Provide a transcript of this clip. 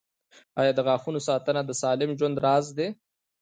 • د غاښونو ساتنه د سالم ژوند راز دی.